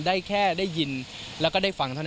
ได้แค่ได้ยินแล้วก็ได้ฟังเท่านั้น